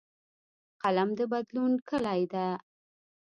قلم د بدلون کلۍ ده